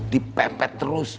di pepet terus